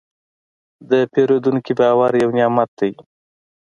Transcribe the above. د پیرودونکي باور یو نعمت دی.